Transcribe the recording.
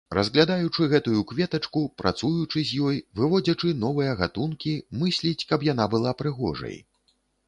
Разглядаючы гэтую кветачку, працуючы з ёй, выводзячы новыя гатункі, мысліць, каб яна была прыгожай.